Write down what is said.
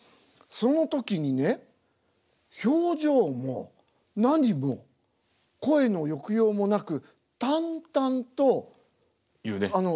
その時にね表情も何も声の抑揚もなく淡々とあの。